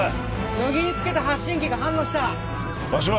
乃木につけた発信機が反応した場所は？